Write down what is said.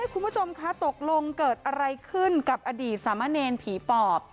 คุณผู้ชมคะตกลงเกิดอะไรขึ้นกับอดีตสามะเนรผีปอบ